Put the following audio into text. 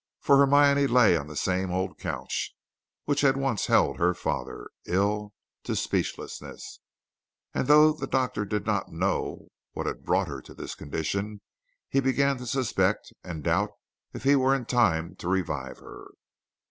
For Hermione lay on that same old couch which had once held her father, ill to speechlessness, and though the Doctor did not know what had brought her to this condition, he began to suspect and doubt if he were in time to revive her.